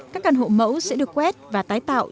các căn hộ mẫu sẽ được quét và tái tạo